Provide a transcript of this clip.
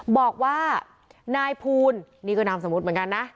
บอกว่านายภูลนี่ก็นามสมมุติเหมือนกันนะ